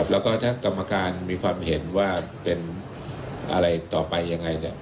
แล้วก็ถ้ากรรมการมีความเห็นว่าเป็นอะไรต่อไปยังไง